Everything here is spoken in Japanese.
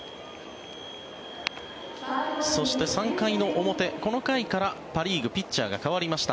そして、３回の表この回からパ・リーグ、ピッチャーが代わりました。